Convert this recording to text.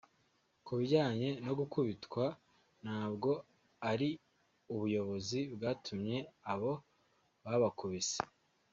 Ku kijyanye no gukubitwa ntabwo ari ubuyobozi bwatumye abo babakubise